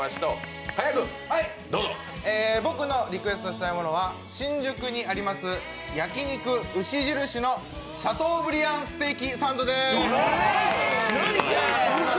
僕のリクエストしたいものは、新宿にあります焼肉牛印のシャトーブリアンステーキサンドです。